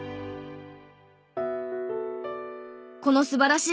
この素晴らしい